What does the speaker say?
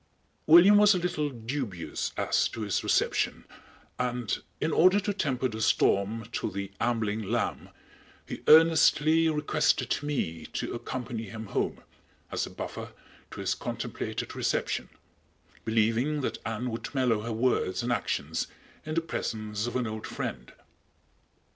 William was a little dubious as to his reception, and in order to temper the storm to the "ambling lamb," he earnestly requested me to accompany him home, as a buffer to his contemplated reception, believing that Anne would mellow her words and actions in the presence of an old friend.